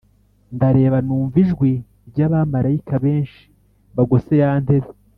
Ndareba numva ijwi ry’abamarayika benshi bagose ya ntebe